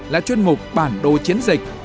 là chuyên mục bản đồ chiến dịch